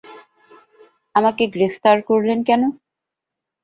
আমাকে গ্রেফতার করলেন কেন?